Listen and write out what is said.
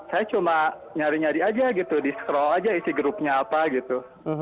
saya cuma nyari nyari aja gitu di scroll aja isi grupnya apa gitu